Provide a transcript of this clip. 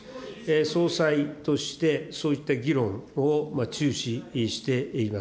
総裁として、そういった議論を注視しています。